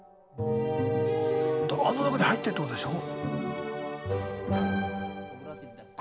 あの中に入ってるってことでしょ？